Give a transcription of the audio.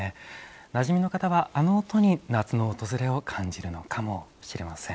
なじみの方はあの音に、夏の訪れを感じるのかもしれません。